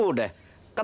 selamat siang bang